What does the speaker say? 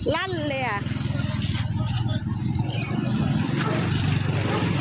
ลั่นเลยอ่ะ